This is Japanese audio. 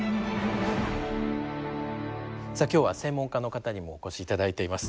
さあ今日は専門家の方にもお越し頂いています。